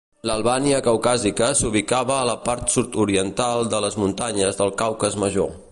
L'Albània caucàsica s'ubicava a la part sud-oriental de les muntanyes del Caucas Major.